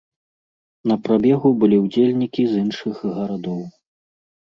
На прабегу былі ўдзельнікі з іншых гарадоў.